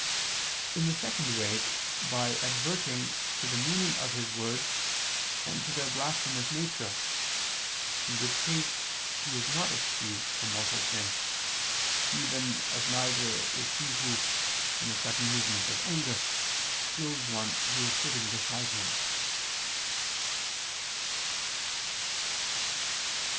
In the second way, by adverting to the meaning of his words, and to their blasphemous nature: in which case he is not excused from mortal sin, even as neither is he who, in a sudden movement of anger, kills one who is sitting beside him.